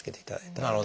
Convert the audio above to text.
なるほど。